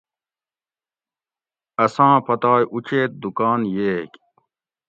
اساں پتائے اوچیت دکان ییگ